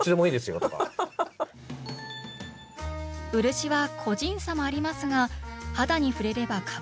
漆は個人差もありますが肌に触れればかぶれるもの。